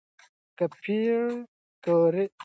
که پېیر کوري د نوې ماده اندازه ونه کړي، پایله به ناقصه وي.